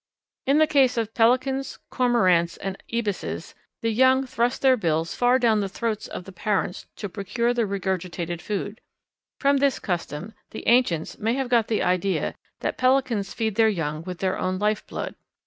In the case of Pelicans, Cormorants, and Ibises, the young thrust their bills far down the throats of the parents to procure the regurgitated food. From this custom the ancients may have got the idea that Pelicans feed their young with their own life blood.